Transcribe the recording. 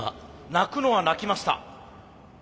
鳴くのは鳴きました。